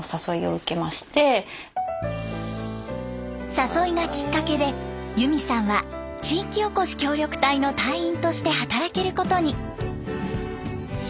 誘いがきっかけでゆみさんは地域おこし協力隊の隊員として働けることに。